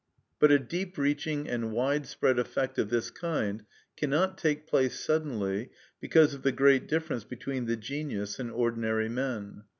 But a deep reaching and widespread effect of this kind cannot take place suddenly, because of the great difference between the genius and ordinary men.